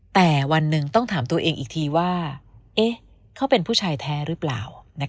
แต่วันหนึ่งต้องถามตัวเองอีกทีว่าเขาเป็นผู้ชายแท้หรือเปล่า